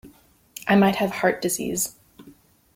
I might have heart disease.